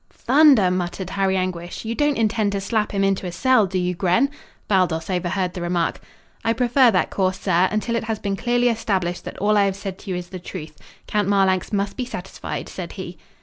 "Thunder!" muttered Harry Anguish. "You don't intend to slap him into a cell, do you, Gren?" Baldos overheard the remark. "I prefer that course, sir, until it has been clearly established that all I have said to you is the truth. Count Marlanx must be satisfied," said he.